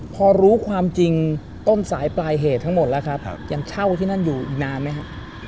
พอรู้ความจริงต้นสายปลายเหตุทั้งหมดแล้วครับยังเช่าที่นั่นอยู่อีกนานไหมครับ